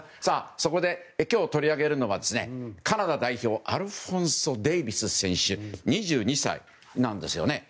そこで今日取り上げるのはカナダ代表アルフォンソ・デイビス選手２２歳なんですよね。